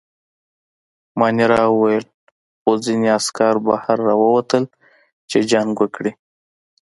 مانیرا وویل: خو ځینې عسکر بهر راووتل، چې جنګ وکړي.